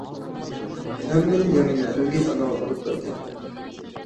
ھەممىدىن يامىنى، ئۆگەي ئانىغا بولۇپ بەردى.